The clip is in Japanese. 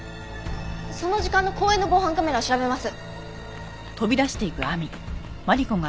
その時間の公園の防犯カメラを調べます。